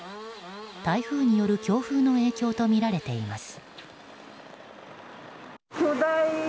台風による強風の影響とみられています。